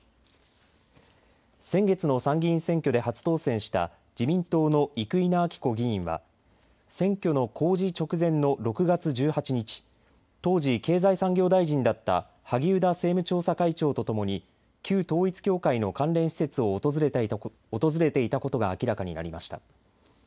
先月の参議院選挙で初当選した自民党の生稲晃子議員は選挙の公示直前の６月１８日当時、経済産業大臣だった萩生田政務調査会長とともに旧統一教会の関連施設を訪れていたことが明らかになりました。